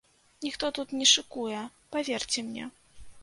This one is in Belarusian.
Ніхто тут не шыкуе, паверце мне!